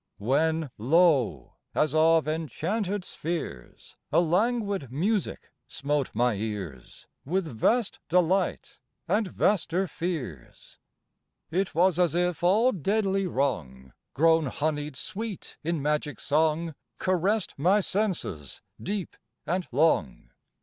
When lo! as of enchanted spheres A languid music smote my ears, With vast delight, and vaster fears. It was as if all deadly wrong Grown honied sweet in magic song Caressed my senses, deep and long.